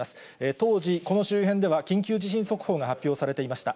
当時、この周辺では緊急地震速報が発表されていました。